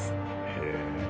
へえ。